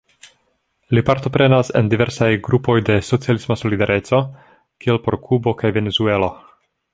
Li partoprenas en diversaj grupoj de "socialisma solidareco", kiel por Kubo kaj Venezuelo.